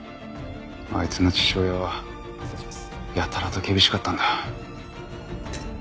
あいつの父親はやたらと厳しかったんだ。